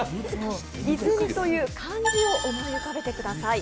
泉という漢字を思い浮かべてください。